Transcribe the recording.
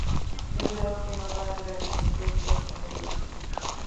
Yo creo que no va a durar mucho tiempo esta pelea.